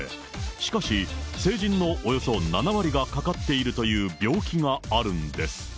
しかし、成人のおよそ７割がかかっているという病気があるんです。